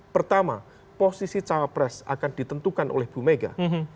pertama posisi cawapres akan ditentukan oleh bumega